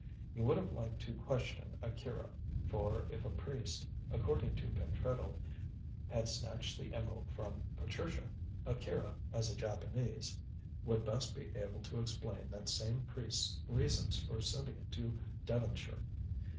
He would have liked to question Akira, for if a priest, according to Pentreddle, had snatched the emerald from Patricia, Akira, as a Japanese, would best be able to explain that same priest's reasons for sending it to Devonshire.